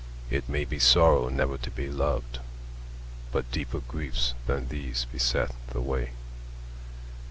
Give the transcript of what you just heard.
It may be sorrow never to be loved, But deeper griefs than these beset the way.